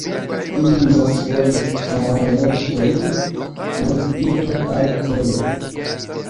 Ili uzas foje hararretojn kun pinto al kolo.